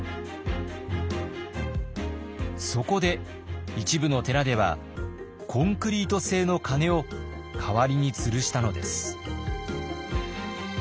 そこで一部の寺ではコンクリート製の鐘を代わりにつるしたのです。